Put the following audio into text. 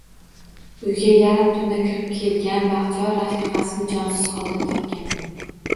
Uyga yarim tunda kirib kelgan Baxtiyor rafiqasini jonsiz holda topgan